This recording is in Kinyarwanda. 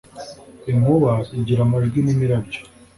inkuba igira amajwi n ‘imirabyo .